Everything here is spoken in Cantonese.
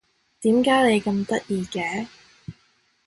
點解你咁得意嘅？